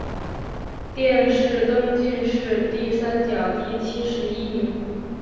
殿试登进士第三甲第七十一名。